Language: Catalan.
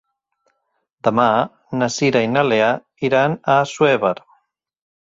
Demà na Cira i na Lea iran a Assuévar.